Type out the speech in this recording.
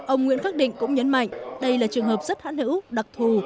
ông nguyễn khắc định cũng nhấn mạnh đây là trường hợp rất hãn hữu đặc thù